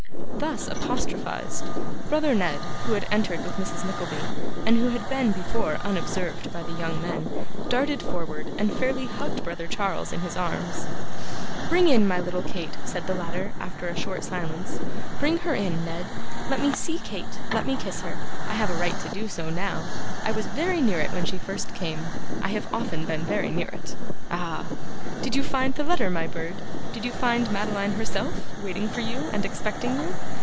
Thus apostrophised, brother Ned, who had entered with Mrs. Nickleby, and who had been before unobserved by the young men, darted forward, and fairly hugged brother Charles in his arms. 'Bring in my little Kate,' said the latter, after a short silence. 'Bring her in, Ned. Let me see Kate, let me kiss her. I have a right to do so now; I was very near it when she first came; I have often been very near it. Ah! Did you find the letter, my bird? Did you find Madeline herself, waiting for you and expecting you?